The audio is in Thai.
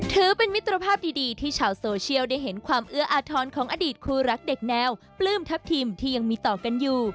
ถือเป็นมิตรภาพดีที่ชาวโซเชียลได้เห็นความเอื้ออาทรของอดีตครูรักเด็กแนวปลื้มทัพทิมที่ยังมีต่อกันอยู่